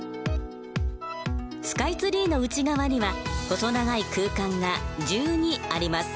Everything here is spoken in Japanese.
スカイツリーの内側には細長い空間が１２あります。